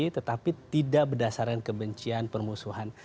tetapi tidak berdasarkan kebencian permusuhan